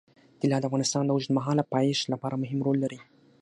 طلا د افغانستان د اوږدمهاله پایښت لپاره مهم رول لري.